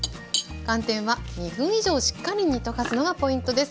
寒天は２分以上しっかり煮溶かすのがポイントです。